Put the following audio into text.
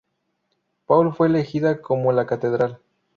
Paul fue elegida como la catedral.